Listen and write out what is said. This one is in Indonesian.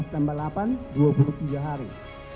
lima tambah delapan dua puluh tiga hari